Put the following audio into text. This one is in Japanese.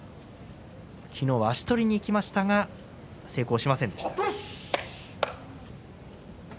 昨日は足取りにいきましたが成功しませんでした。